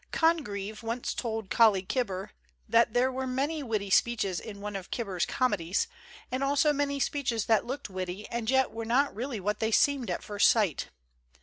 Congreve once told Colley Gibber that there were many witty speeches in one of Gibber's comedies, and also many speeches that looked witty and yet were not really what they seemed at first sight.